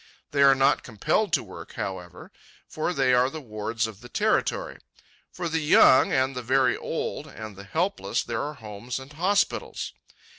They are not compelled to work, however, for they are the wards of the territory. For the young, and the very old, and the helpless there are homes and hospitals.